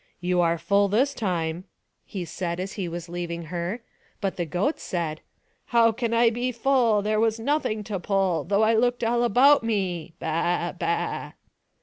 " You are full this time," he said as he was leaving her; but the goat said, " How can I be foil ? There was nothing to pull, Though 1 looked all about me — ba ! baa